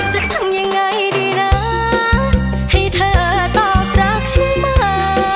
จะทำยังไงดีนะให้เธอตอบรักฉันมา